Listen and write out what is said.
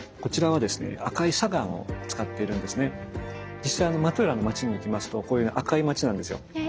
実際マトゥラーの街に行きますとこういう赤い街なんですよ。へ。